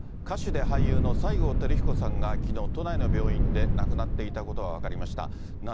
歌手で俳優の西郷輝彦さんがきのう、都内の病院で亡くなっていたことが分かりました。